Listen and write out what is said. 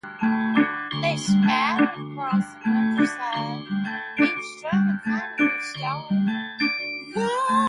They scattered across the countryside, each trying to find a new start.